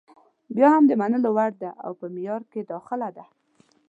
بیا هم د منلو وړ ده او په معیار کې داخله ده.